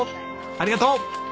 ありがとう！